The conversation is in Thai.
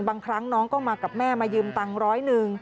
บางครั้งน้องก็มากับแม่มายืมตังค์ร้อยหนึ่ง